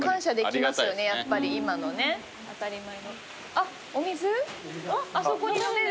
あっお水？